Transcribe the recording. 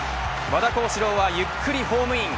和田康士朗はゆっくりホームイン。